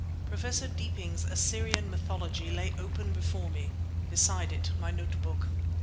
Professor Deeping's "Assyrian Mythology" lay open before me, beside it my notebook.